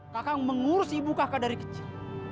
kakak mengurus ibu kakak dari kecil